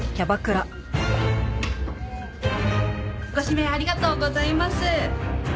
ご指名ありがとうございます。